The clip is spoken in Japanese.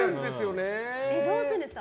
どうするんですか？